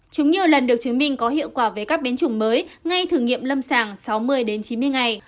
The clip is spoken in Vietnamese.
chúng nhiều lần được chứng minh có hiệu quả về các biến chủng mới ngay thử nghiệm lâm sàng sáu mươi đến chín mươi ngày